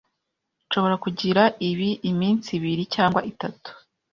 Nshobora kugira ibi iminsi ibiri cyangwa itatu?